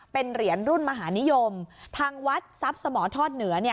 เป็นเหรียญรุ่นมหานิยมทางวัดทรัพย์สมทอดเหนือเนี่ย